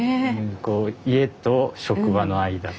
こう家と職場の間で。